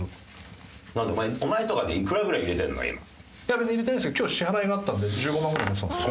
別に入れてないですけど今日支払いがあったので１５万ぐらい持ってたんですよ。